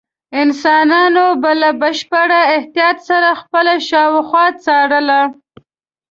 انسانانو به له بشپړ احتیاط سره خپله شاوخوا څارله.